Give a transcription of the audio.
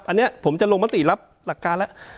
อันนี้ผมจะลงมติรับหลักการแล้ว